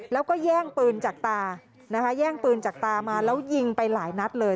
แล้วก็แย่งปืนจากตานะคะแย่งปืนจากตามาแล้วยิงไปหลายนัดเลย